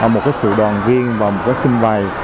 một cái sự đoàn viên và một cái sân vầy